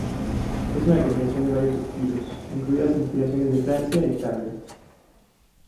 Es una combinación de varios estilos, incluidas inspiraciones de Francia e Italia.